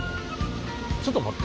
ちょっと待って。